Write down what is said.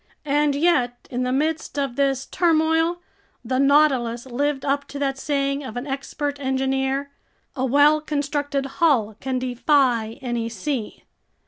And yet in the midst of this turmoil, the Nautilus lived up to that saying of an expert engineer: "A well constructed hull can defy any sea!"